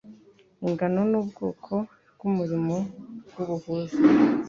ingano n ubwoko bw umurimo w ubuhuza